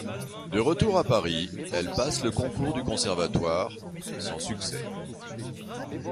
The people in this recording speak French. De retour à Paris, elle passe le concours du Conservatoire, sans succès.